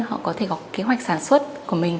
họ có thể có kế hoạch sản xuất của mình